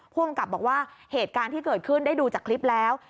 ผู้กำกับบอกว่าเหตุการณ์ที่เกิดขึ้นได้ดูจากคลิปแล้ว